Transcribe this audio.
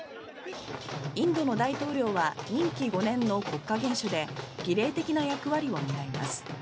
インドの大統領は任期５年の国家元首で儀礼的な役割を担います。